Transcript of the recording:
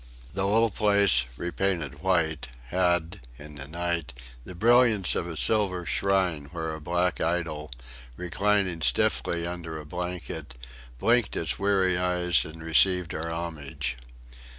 The little place, repainted white, had, in the night, the brilliance of a silver shrine where a black idol, reclining stiffly under a blanket, blinked its weary eyes and received our homage.